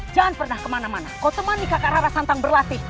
jangan pernah kemana mana kau temani kakak rara santang berlatih